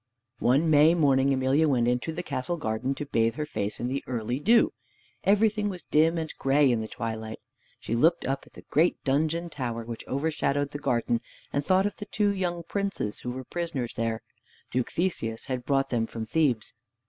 One May morning Emelia went into the castle garden to bathe her face in the early dew. Everything was dim and gray in the twilight. She looked up at the great dungeon tower which overshadowed the garden, and thought of the two young princes who were prisoners there. Duke Theseus had brought them from Thebes.